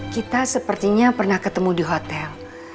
kita sepertinya pernah ketemu di hotel